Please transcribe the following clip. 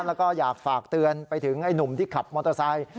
แล้วก็อยากฝากเตือนไปถึงไอ้หนุ่มที่ขับมอเตอร์ไซค์